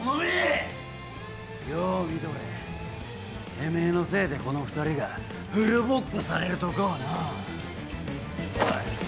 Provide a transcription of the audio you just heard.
てめえのせいでこの２人がフルボッコされるとこをのう。